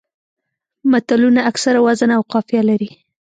متلونه اکثره وزن او قافیه لري